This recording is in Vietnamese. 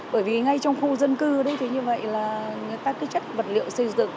bởi vì ngay trong khu dân cư đấy thì như vậy là người ta cứ chất vật liệu xây dựng